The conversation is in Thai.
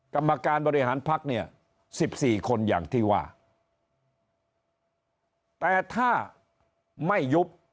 กรรมการบริหารพักเนี่ยสิบสี่คนอย่างที่ว่าแต่ถ้าไม่ยุบ